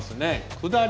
下り？